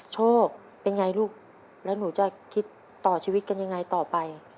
โชคเป็นไงลูกแล้วหนูจะคิดต่อชีวิตกันยังไงต่อไป